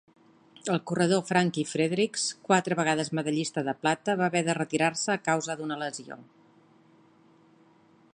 El corredor Frankie Fredericks, quatre vegades medallista de plata, va haver de retirar-se a causa d'una lesió.